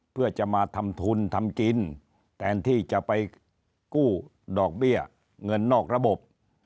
เพื่อจะมาทำทุนทำกินแทนที่จะไปกู้ดอกเบี้ยเงินนอกระบบ